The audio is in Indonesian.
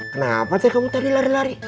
kenapa sih kamu tadi lari lari